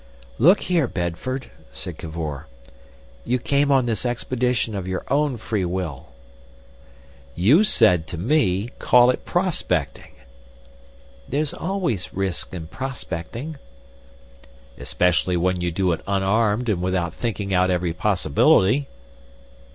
"Look here, Bedford," said Cavor, "you came on this expedition of your own free will." "You said to me, 'Call it prospecting'." "There's always risks in prospecting." "Especially when you do it unarmed and without thinking out every possibility."